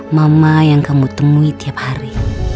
mama yang kamu temui tiap hari